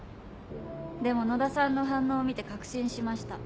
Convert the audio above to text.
でも野田さんの反応を見て確信しました。